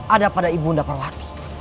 ada pada ibu nda perlati